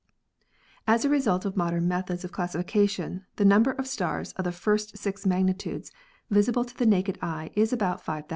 As a result of modern methods of classification the number of stars of the first six magnitudes visible to the naked eye is about 5,000.